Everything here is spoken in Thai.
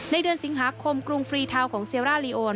ในเดือนสิงหาคมกรุงฟรีเทาของเซลราลีโอน